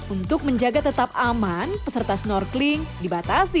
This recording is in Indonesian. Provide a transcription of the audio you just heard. untuk menjaga tetap aman peserta snorkeling dibatasi